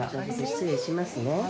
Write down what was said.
失礼しますね。